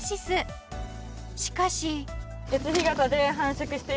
しかし。